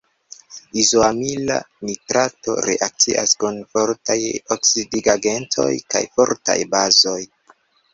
Izoamila nitrato reakcias kun fortaj oksidigagentoj kaj fortaj bazoj.